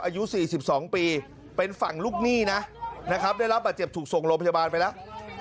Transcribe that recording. อายุ๔๒ปีเป็นฝั่งลูกหนี้นะนะครับได้รับบาดเจ็บถูกส่งโรงพยาบาลไปแล้ว